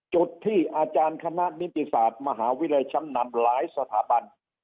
จุดที่อาจารย์คณะนิติศาสตร์มหาวิทยาลัยช้ำนำหลายสถาบัน